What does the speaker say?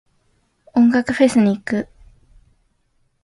音楽フェス行く。